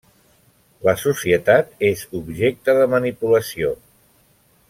La societat és objecte de manipulació.